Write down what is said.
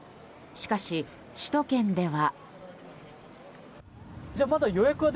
しかし、首都圏では。